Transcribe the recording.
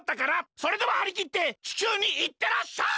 それでははりきって地球にいってらっしゃい！